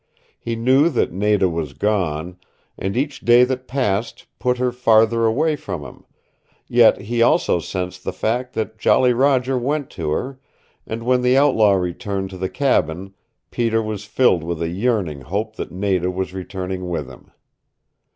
He knew that Nada was gone, and each day that passed put her farther away from him, yet he also sensed the fact that Jolly Roger went to her, and when the outlaw returned to the cabin Peter was filled with a yearning hope that Nada was returning with him.